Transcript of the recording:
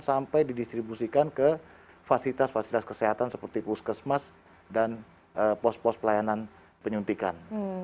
sampai didistribusikan ke fasilitas fasilitas kesehatan seperti puskesmas dan pos pos pelayanan penyuntikan